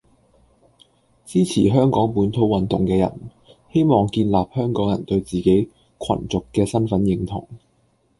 支持香港本土運動嘅人，希望建立香港人對自己群族嘅身份認同